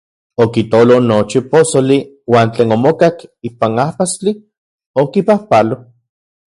Okitolo nochi posoli uan tlen omokak ipan ajpastli, okipajpalo.